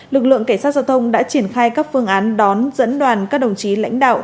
lực lượng cảnh sát giao thông đã triển khai các phương án đón dẫn đoàn các đồng chí lãnh đạo